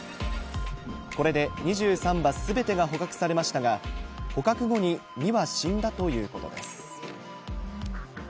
これで２３羽すべてが捕獲されましたが、捕獲後に２羽死んだということです。